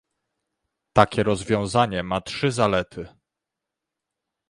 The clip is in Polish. Takie rozwiązanie ma trzy zalety